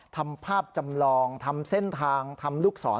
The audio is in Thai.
ทำภาพจำลองทำเส้นทางทำลูกศร